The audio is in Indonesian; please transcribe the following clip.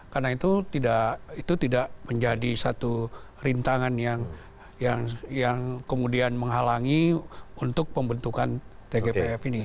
karena itu tidak menjadi satu rintangan yang kemudian menghalangi untuk pembentukan tgpf ini